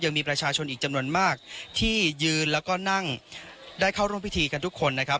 ยังมีประชาชนอีกจำนวนมากที่ยืนแล้วก็นั่งได้เข้าร่วมพิธีกันทุกคนนะครับ